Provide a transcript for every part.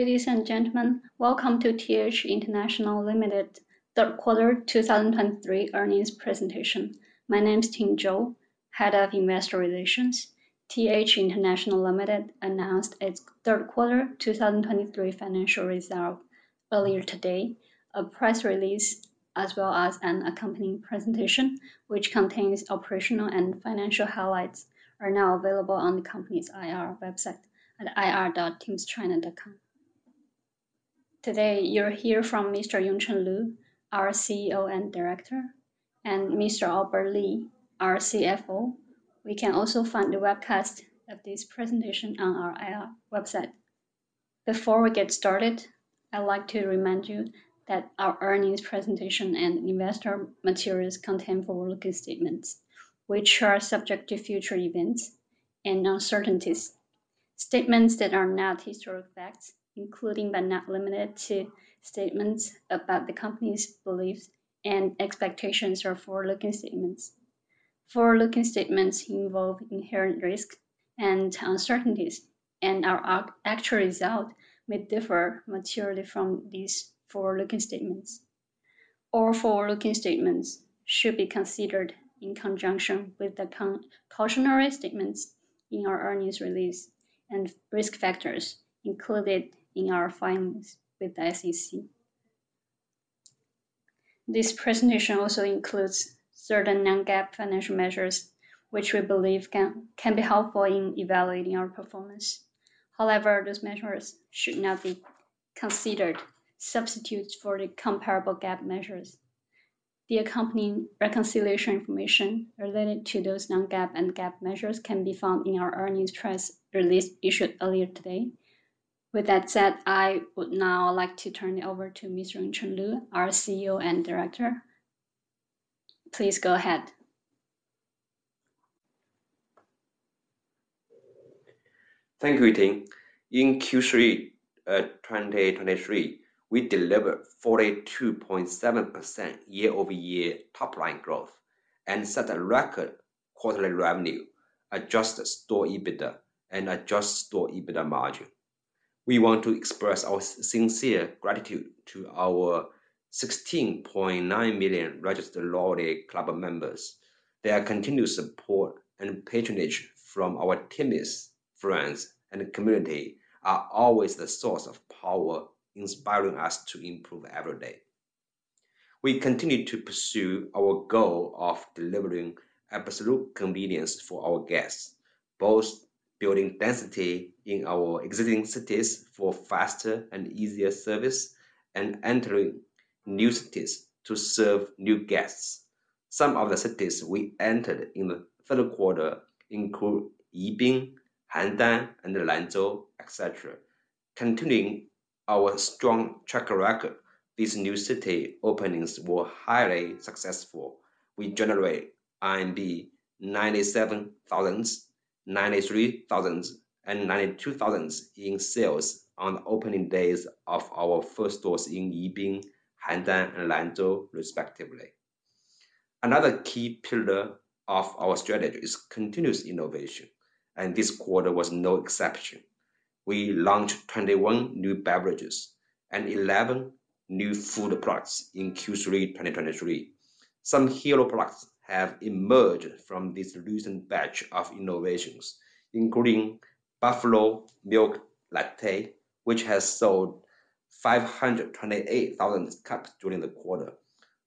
Ladies and gentlemen, welcome to TH International Limited third quarter 2023 earnings presentation. My name is Ting Zhou, Head of Investor Relations. TH International Limited announced its third quarter 2023 financial results earlier today. A press release, as well as an accompanying presentation, which contains operational and financial highlights, are now available on the company's IR website at ir.timschina.com. Today, you'll hear from Mr. Yongchen Lu, our CEO and Director, and Mr. Albert Li, our CFO. We can also find the webcast of this presentation on our IR website. Before we get started, I'd like to remind you that our earnings presentation and investor materials contain forward-looking statements, which are subject to future events and uncertainties. Statements that are not historical facts, including but not limited to statements about the company's beliefs and expectations, are forward-looking statements. Forward-looking statements involve inherent risks and uncertainties, and our actual results may differ materially from these forward-looking statements. All forward-looking statements should be considered in conjunction with the cautionary statements in our earnings release and risk factors included in our filings with the SEC. This presentation also includes certain non-GAAP financial measures, which we believe can be helpful in evaluating our performance. However, those measures should not be considered substitutes for the comparable GAAP measures. The accompanying reconciliation information related to those non-GAAP and GAAP measures can be found in our earnings press release issued earlier today. With that said, I would now like to turn it over to Mr. Yongchen Lu, our CEO and Director. Please go ahead. Thank you, Ting. In Q3, 2023, we delivered 42.7% year-over-year top-line growth and set a record quarterly revenue, adjusted store EBITDA and adjusted store EBITDA margin. We want to express our sincere gratitude to our 16.9 million registered loyalty club members. Their continued support and patronage from our Timmies, friends, and community are always the source of power, inspiring us to improve every day. We continue to pursue our goal of delivering absolute convenience for our guests, both building density in our existing cities for faster and easier service, and entering new cities to serve new guests. Some of the cities we entered in the third quarter include Yibin, Handan, and Lanzhou, et cetera. Continuing our strong track record, these new city openings were highly successful. We generate 97,000, 93,000, and 92,000 in sales on the opening days of our first stores in Yibin, Handan, and Lanzhou respectively. Another key pillar of our strategy is continuous innovation, and this quarter was no exception. We launched 21 new beverages and 11 new food products in Q3 2023. Some hero products have emerged from this recent batch of innovations, including Buffalo Milk Latte, which has sold 528,000 cups during the quarter.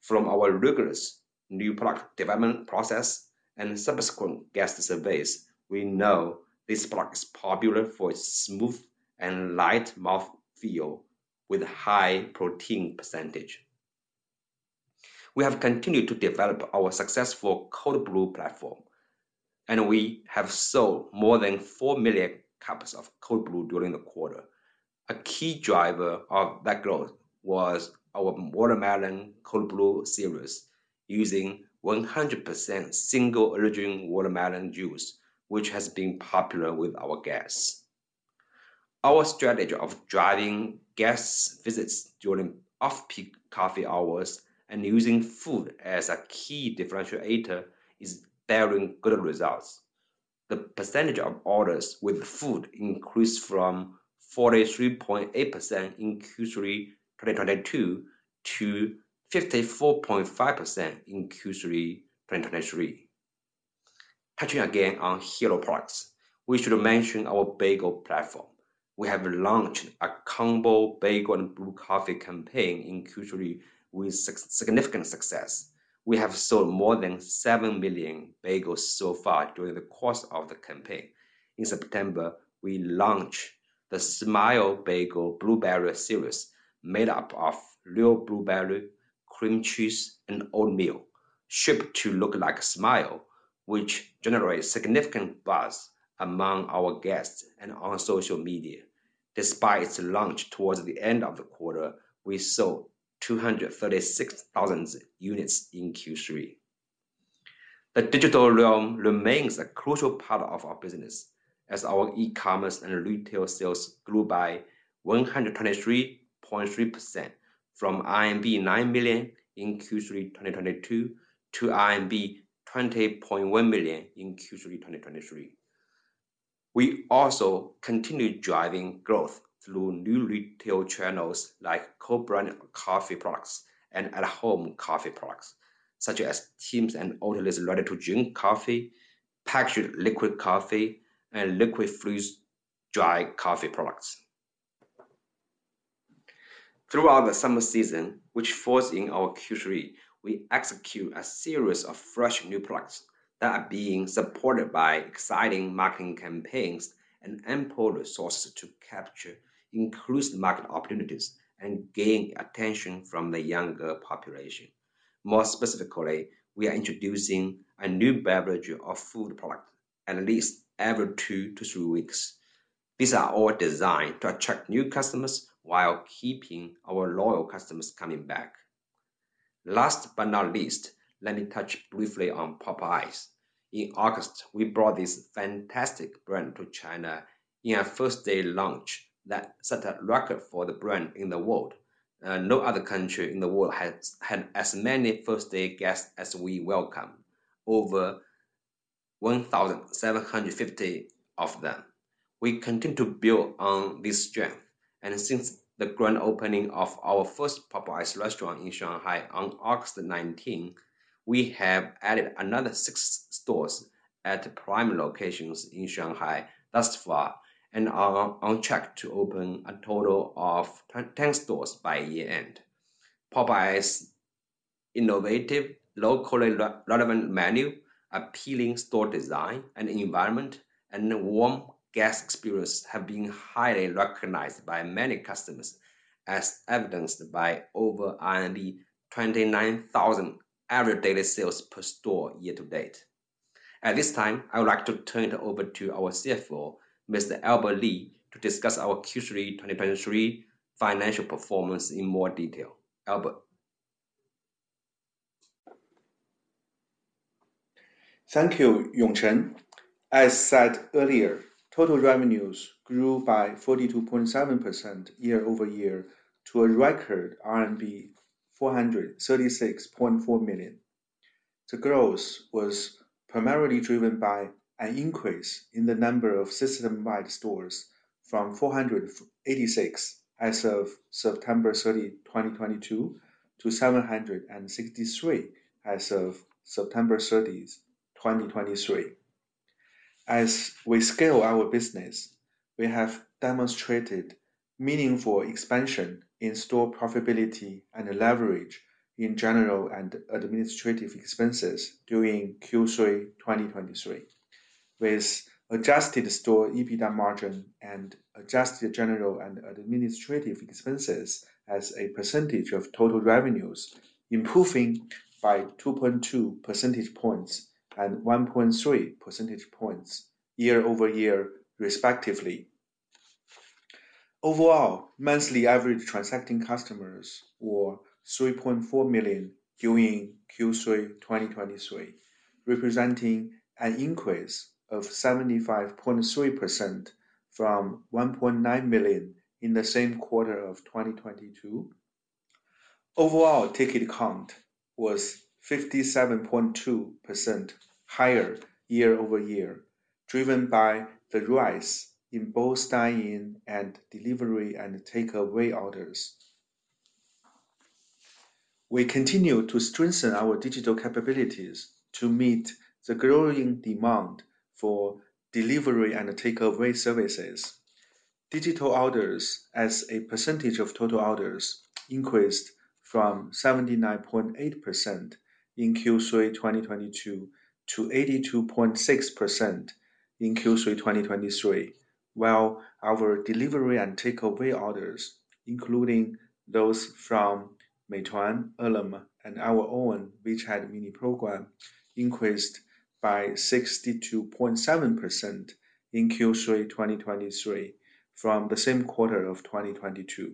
From our rigorous new product development process and subsequent guest surveys, we know this product is popular for its smooth and light mouthfeel with high protein percentage. We have continued to develop our successful Cold Brew platform, and we have sold more than four million cups of Cold Brew during the quarter. A key driver of that growth was our Watermelon Cold Brew series, using 100% single-origin watermelon juice, which has been popular with our guests. Our strategy of driving guests' visits during off-peak coffee hours and using food as a key differentiator is bearing good results. The percentage of orders with food increased from 43.8% in Q3 2022 to 54.5% in Q3 2023. Touching again on hero products, we should mention our bagel platform. We have launched a combo bagel and brew coffee campaign in Q3 with significant success. We have sold more than seven million bagels so far during the course of the campaign. In September, we launched the Smile Bagel Blueberry series, made up of real blueberry, cream cheese, and oatmeal, shaped to look like a smile, which generated significant buzz among our guests and on social media. Despite its launch towards the end of the quarter, we sold 236,000 units in Q3. The digital realm remains a crucial part of our business, as our e-commerce and retail sales grew by 123.3% from RMB 9 million in Q3 2022 to RMB 20.1 million in Q3 2023. We also continued driving growth through new retail channels like co-branded coffee products and at-home coffee products, such as Tims and Oatly ready-to-drink coffee, packaged liquid coffee, and liquid freeze-dried coffee products. Throughout the summer season, which falls in our Q3, we execute a series of fresh new products that are being supported by exciting marketing campaigns and ample resources to capture increased market opportunities and gain attention from the younger population. More specifically, we are introducing a new beverage or food product at least every two to three weeks. These are all designed to attract new customers while keeping our loyal customers coming back. Last but not least, let me touch briefly on Popeyes. In August, we brought this fantastic brand to China in a first-day launch that set a record for the brand in the world. No other country in the world has had as many first-day guests as we welcomed, over 1,750 of them. We continue to build on this strength, and since the grand opening of our first Popeyes restaurant in Shanghai on August 19th, we have added another six stores at prime locations in Shanghai thus far, and are on track to open a total of 10 stores by year-end. Popeyes' innovative, locally relevant menu, appealing store design and environment, and warm guest experience have been highly recognized by many customers, as evidenced by over 29,000 average daily sales per store year to date. At this time, I would like to turn it over to our CFO, Mr. Albert Li, to discuss our Q3 2023 financial performance in more detail. Albert? Thank you, Yongchen. As said earlier, total revenues grew by 42.7% year-over-year to a record RMB 436.4 million. The growth was primarily driven by an increase in the number of system-wide stores from 486 as of September 30, 2022, to 763 as of September 30, 2023. As we scale our business, we have demonstrated meaningful expansion in store profitability and leverage in general and administrative expenses during Q3 2023, with adjusted store EBITDA margin and adjusted general and administrative expenses as a percentage of total revenues, improving by 2.2 percentage points and 1.3 percentage points year-over-year, respectively. Overall, monthly average transacting customers were 3.4 million during Q3 2023, representing an increase of 75.3% from 1.9 million in the same quarter of 2022. Overall, ticket count was 57.2% higher year over year, driven by the rise in both dine-in and delivery and takeaway orders. We continue to strengthen our digital capabilities to meet the growing demand for delivery and takeaway services. Digital orders, as a percentage of total orders, increased from 79.8% in Q3 2022 to 82.6% in Q3 2023. While our delivery and takeaway orders, including those from Meituan, Ele.me, and our own WeChat Mini Program, increased by 62.7% in Q3 2023 from the same quarter of 2022.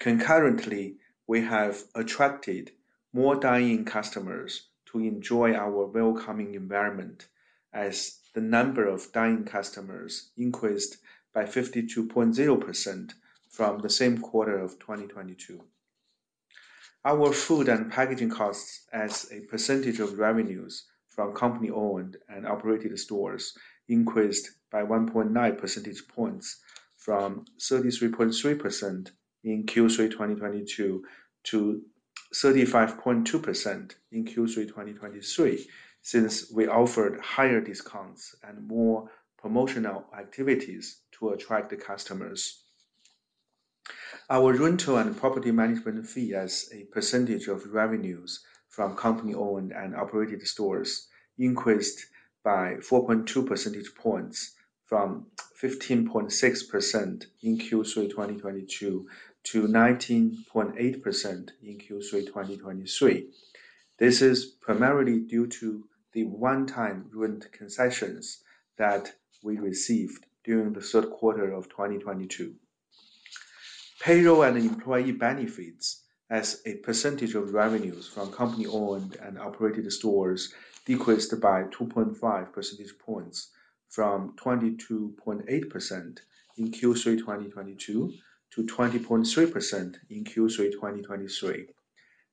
Concurrently, we have attracted more dine-in customers to enjoy our welcoming environment as the number of dine-in customers increased by 52.0% from the same quarter of 2022. Our food and packaging costs as a percentage of revenues from company-owned and operated stores increased by 1.9 percentage points from 33.3% in Q3 2022 to 35.2% in Q3 2023, since we offered higher discounts and more promotional activities to attract the customers. Our rental and property management fee as a percentage of revenues from company-owned and operated stores increased by 4.2 percentage points from 15.6% in Q3 2022 to 19.8% in Q3 2023. This is primarily due to the one-time rent concessions that we received during the third quarter of 2022. Payroll and employee benefits as a percentage of revenues from company-owned and operated stores decreased by 2.5 percentage points from 22.8% in Q3 2022 to 20.3% in Q3 2023.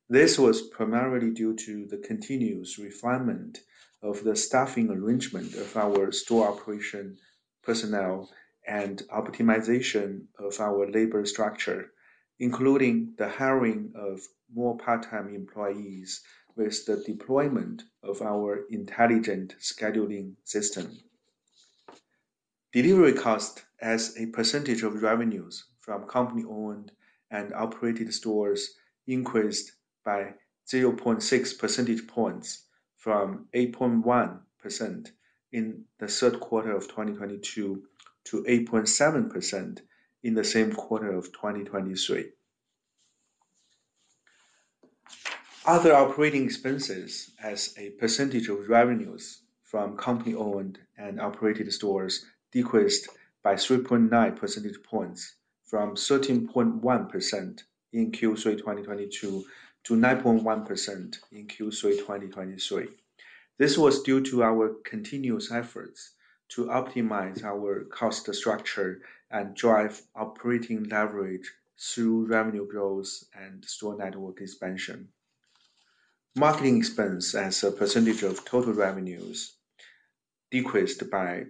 This was primarily due to the continuous refinement of the staffing arrangement of our store operation personnel and optimization of our labor structure, including the hiring of more part-time employees with the deployment of our intelligent scheduling system. Delivery cost as a percentage of revenues from company-owned and operated stores increased by 0.6 percentage points, from 8.1% in the third quarter of 2022, to 8.7% in the same quarter of 2023. Other operating expenses as a percentage of revenues from company-owned and operated stores decreased by 3.9 percentage points from 13.1% in Q3 2022, to 9.1% in Q3 2023. This was due to our continuous efforts to optimize our cost structure and drive operating leverage through revenue growth and store network expansion. Marketing expense as a percentage of total revenues decreased by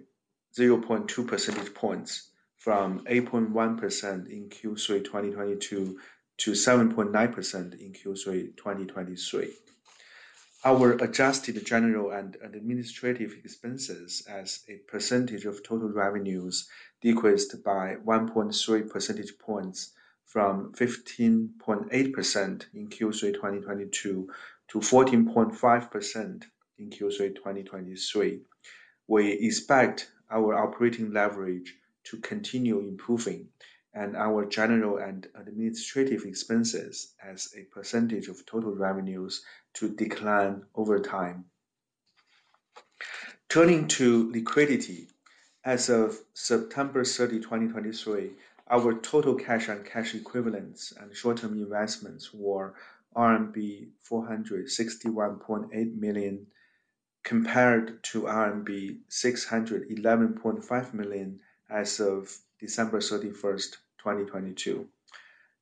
0.2 percentage points from 8.1% in Q3 2022, to 7.9% in Q3 2023. Our adjusted general and administrative expenses as a percentage of total revenues decreased by 1.3 percentage points from 15.8% in Q3 2022, to 14.5% in Q3 2023. We expect our operating leverage to continue improving and our general and administrative expenses as a percentage of total revenues to decline over time. Turning to liquidity, as of September 30, 2023, our total cash and cash equivalents and short-term investments were RMB 461.8 million, compared to RMB 611.5 million as of December 31st, 2022.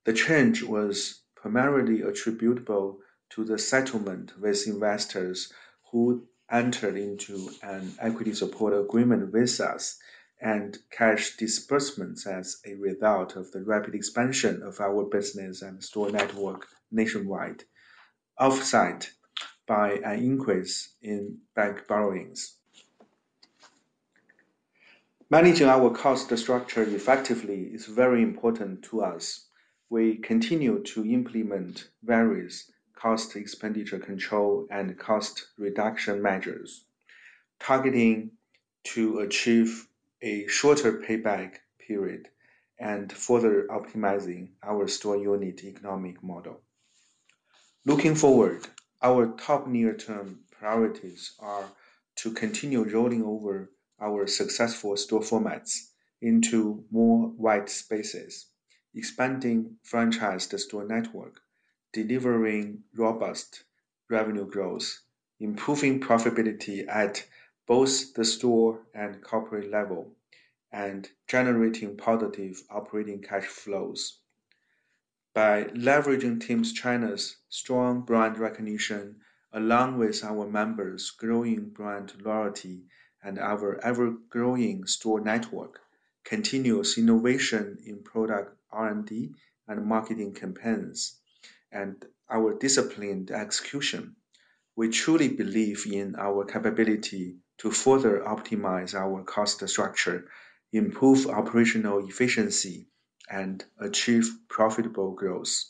The change was primarily attributable to the settlement with investors who entered into an equity support agreement with us, and cash disbursements as a result of the rapid expansion of our business and store network nationwide, offset by an increase in bank borrowings. Managing our cost structure effectively is very important to us. We continue to implement various cost expenditure control and cost reduction measures, targeting to achieve a shorter payback period and further optimizing our store unit economic model. Looking forward, our top near-term priorities are to continue rolling over our successful store formats into more white spaces, expanding franchised store network, delivering robust revenue growth, improving profitability at both the store and corporate level, and generating positive operating cash flows. By leveraging Tims China's strong brand recognition, along with our members' growing brand loyalty and our ever-growing store network, continuous innovation in product R&D and marketing campaigns, and our disciplined execution, we truly believe in our capability to further optimize our cost structure, improve operational efficiency, and achieve profitable growth.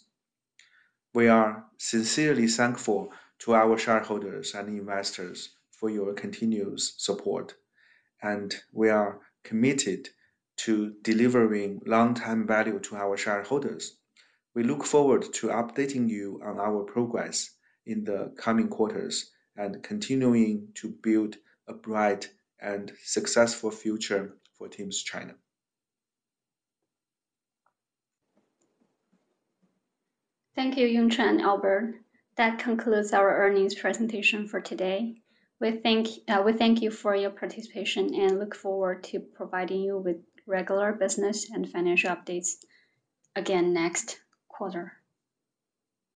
We are sincerely thankful to our shareholders and investors for your continuous support, and we are committed to delivering long-term value to our shareholders. We look forward to updating you on our progress in the coming quarters and continuing to build a bright and successful future for Tims China. Thank you, Yongchen and Albert. That concludes our earnings presentation for today. We thank you for your participation, and look forward to providing you with regular business and financial updates again next quarter.